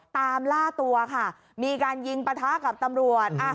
ตามล่าตัวค่ะมีการยิงปะทะกับตำรวจ